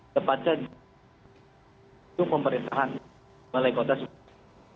depan jadi pemerintahan malai kota sukabumi